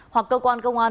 hoặc cơ quan công an